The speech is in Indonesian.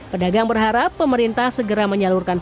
pedagang berharap pemerintah segera menyalurkan